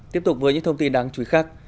tiếp tục với những thông tin đáng chú ý khác